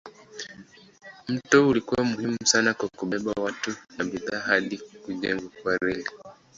Mto ulikuwa muhimu sana kwa kubeba watu na bidhaa hadi kujengwa kwa reli.